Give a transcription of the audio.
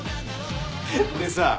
・でさ